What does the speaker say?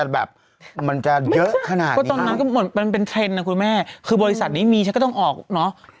ก็ตอนนั้นมันเป็นเทรนนะคุณแม่บริษัทนี้มีใช้งานนี้มันต้องออก